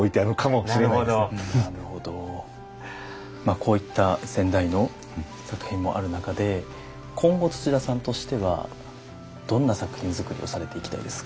こういった先代の作品もある中で今後土田さんとしてはどんな作品作りをされていきたいですか。